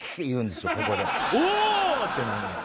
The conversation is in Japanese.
お⁉ってなんねん。